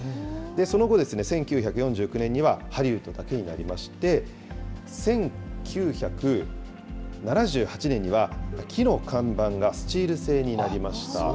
その後、１９４９年にはハリウッドだけになりまして、１９７８年には、木の看板がスチール製になりました。